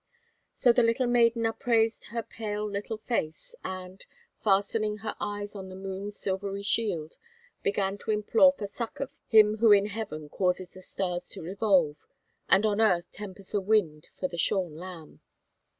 So the little maiden upraised her pale little face and, fastening her eyes on the moon's silvery shield, began to implore for succor Him who in heaven causes the stars to revolve and on earth tempers the wind for the shorn lamb.